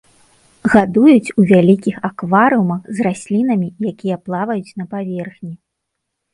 Гадуюць у вялікіх акварыумах з раслінамі, якія плаваюць на паверхні.